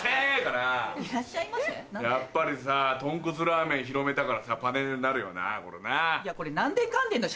やっぱりさ豚骨ラーメン広めたからさパネルになるよなこれな。